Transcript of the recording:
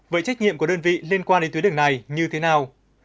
vậy trách nhiệm của đơn vị liên quan đến tuyến đường này như thế nào